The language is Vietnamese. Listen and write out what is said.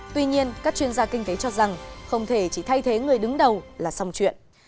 tuy nhiên các chuyên gia kinh tế cho rằng không thể chỉ thay thế người đứng đầu là xong chuyện